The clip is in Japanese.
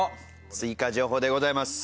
追加情報でございます。